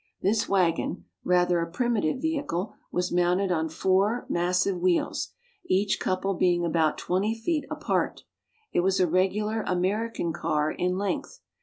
This waggon, rather a primitive vehicle, was mounted on four massive wheels, each couple being about twenty feet apart ; it was a regular American " car " in length.